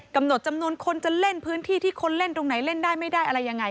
กำหนดจำนวนคนจะเล่นพื้นที่ที่คนเล่นตรงไหนเล่นได้ไม่ได้อะไรยังไง